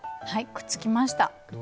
くっつきました。